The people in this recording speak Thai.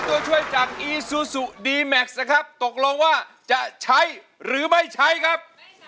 โอ้ใจเด็ดแม่มนะครับ